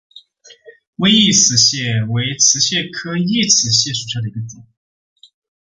微异瓷蟹为瓷蟹科异瓷蟹属下的一个种。